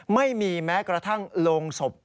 ไม่มีแม้กระทั่งโรงศพ